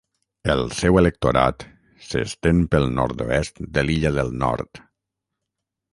El seu electorat s'estén pel nord-oest de l'illa del Nord.